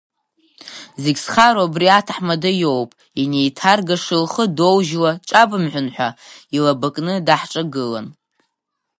Зегь зхароу абри аҭаҳмада иоуп, инеиҭаргаша, лхы доужьла, дҿабымҳәан ҳәа илаба кны даҳҿагылан.